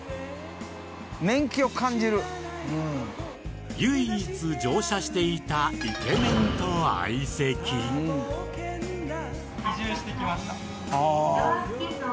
年季を感じる唯一乗車していたイケメンと相席ああー何で？